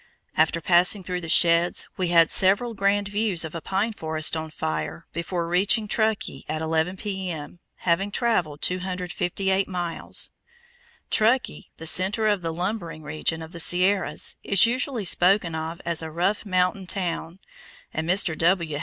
After passing through the sheds, we had several grand views of a pine forest on fire before reaching Truckee at 11 P.M. having traveled 258 miles. Truckee, the center of the "lumbering region" of the Sierras, is usually spoken of as "a rough mountain town," and Mr. W.